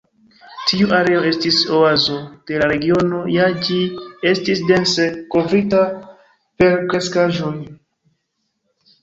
Tiu areo estis oazo de la regiono, ja ĝi estis dense kovrita per kreskaĵoj.